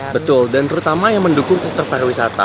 betul dan terutama yang mendukung sektor pariwisata